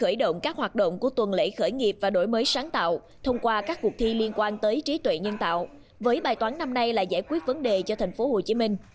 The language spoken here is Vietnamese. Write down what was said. khởi động các hoạt động của tuần lễ khởi nghiệp và đổi mới sáng tạo thông qua các cuộc thi liên quan tới trí tuệ nhân tạo với bài toán năm nay là giải quyết vấn đề cho tp hcm